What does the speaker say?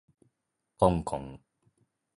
こんこん